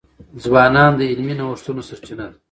ځوانان د علمي نوښتونو سرچینه دي.